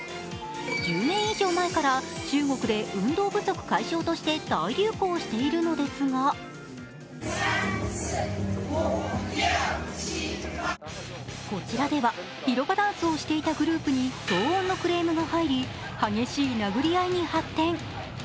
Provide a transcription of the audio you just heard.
１０年以上前から中国で運動不足解消として大流行しているのですがこちらでは、広場ダンスをしていたグループに騒音のクレームが入り激しい殴り合いに発展。